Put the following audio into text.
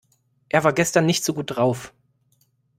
Er war gestern nicht so gut drauf.